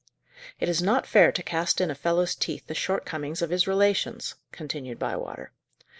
"It is not fair to cast in a fellow's teeth the shortcomings of his relations," continued Bywater.